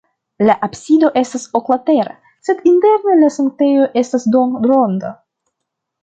La absido estas oklatera, sed interne la sanktejo estas duonronda.